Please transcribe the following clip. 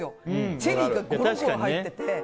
チェリーがゴロゴロ入ってて。